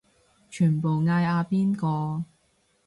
全部嗌阿邊個